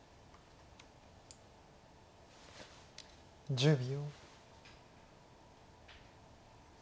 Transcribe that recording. １０秒。